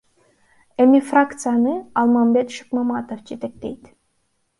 Эми фракцияны Алмамбет Шыкмаматов жетектейт.